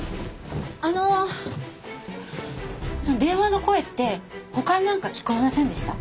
あのその電話の声って他に何か聞こえませんでした？